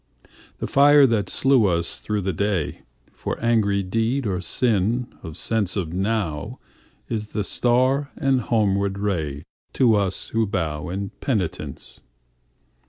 The fire that slew us through the dayFor angry deed or sin of senseNow is the star and homeward rayTo us who bow in penitence.